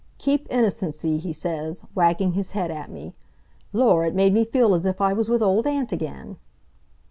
'Keep innocency,' he says, wagging his head at me. Lor'! It made me feel as if I was with Old Aunt again."